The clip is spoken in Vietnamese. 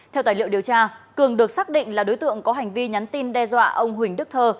theo tài liệu điều tra cường được xác định là đối tượng có hành vi nhắn tin đe dọa ông huỳnh đức thơ